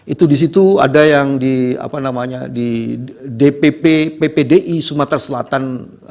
itu disitu ada yang di dpp ppdi sumatera selatan